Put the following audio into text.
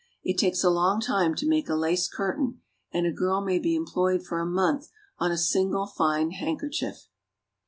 It takes a long time to make a lace curtain, and a girl may be employed for a month on a single fine handkerchief.